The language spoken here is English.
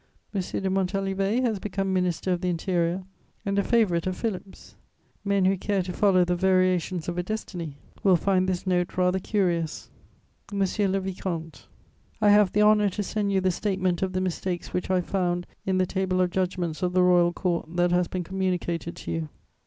M. de Montalivet has become Minister of the Interior and a favourite of Philip's; men who care to follow the variations of a destiny will find this note rather curious: "MONSIEUR LE VICOMTE, "I have the honour to send you the statement of the mistakes which I found in the table of judgments of the Royal Court that has been communicated to you.